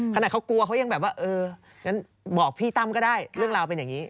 ขนาดเขากลัวเขายังแบบว่าเอองั้นบอกพี่ตั้มก็ได้เรื่องราวเป็นอย่างนี้